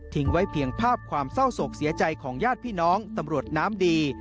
ไว้เพียงภาพความเศร้าโศกเสียใจของญาติพี่น้องตำรวจน้ำดี